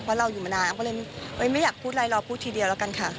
เพราะเราอยู่มานานอำก็เลยไม่อยากพูดอะไรรอพูดทีเดียวแล้วกันค่ะ